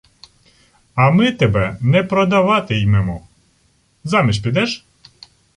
— А ми тебе не продавати-ймемо. Заміж підеш?